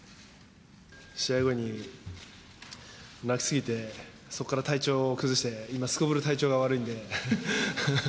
試合後に、泣きすぎて、そこから体調を崩して、今、すこぶる体調が悪いんで。